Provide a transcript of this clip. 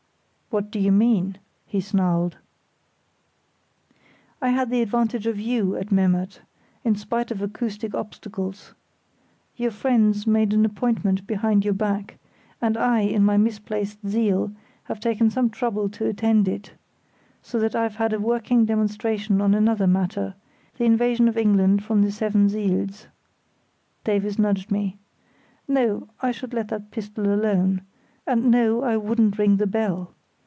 "What do you mean?" he snarled. "I had the advantage of you at Memmert, in spite of acoustic obstacles. Your friends made an appointment behind your back, and I, in my misplaced zeal, have taken some trouble to attend it; so that I've had a working demonstration on another matter, the invasion of England from the seven siels." (Davies nudged me.) "No, I should let that pistol alone; and no, I wouldn't ring the bell.